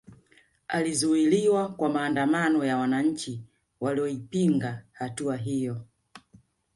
Alizuiliwa kwa maandamano ya wananchi walioipinga hatua hiyo